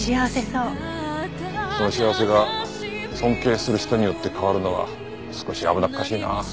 その幸せが尊敬する人によって変わるのは少し危なっかしいなあ。